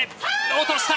落とした！